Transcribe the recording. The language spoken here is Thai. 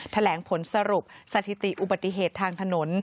แถลงผลสรุปสถิติอุบัติเหตุทางถนน